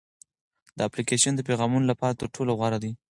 دا اپلیکیشن د پیغامونو لپاره تر ټولو غوره دی.